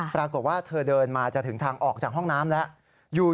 ปรากฏว่าเธอเดินมาจะถึงทางออกจากห้องน้ำแล้ว